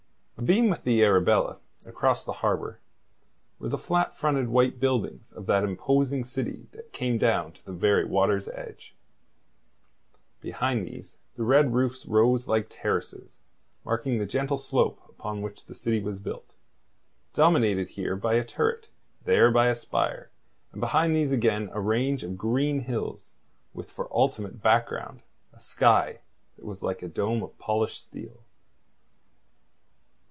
Abeam with the Arabella, across the harbour, were the flat fronted white buildings of that imposing city that came down to the very water's edge. Behind these the red roofs rose like terraces, marking the gentle slope upon which the city was built, dominated here by a turret, there by a spire, and behind these again a range of green hills with for ultimate background a sky that was like a dome of polished steel.